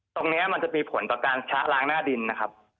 มันจะมีผลต่อการชะล้างหน้าดินนะครับ